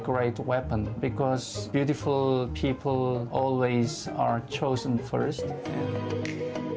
karena orang orang yang indah selalu diperoleh dulu